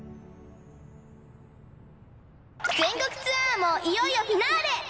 ぜんこくツアーもいよいよフィナーレ！